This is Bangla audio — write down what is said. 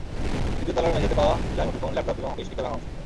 তৃতীয় তলার মেঝেতে পাওয়া যায় মুঠোফোন, ল্যাপটপ এবং হকিস্টিকের ভাঙা অংশ।